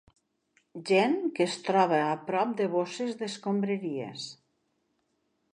Gent que es troba a prop de bosses d'escombraries.